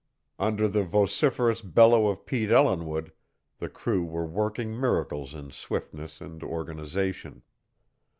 Under the vociferous bellow of Pete Ellinwood, the crew were working miracles in swiftness and organization.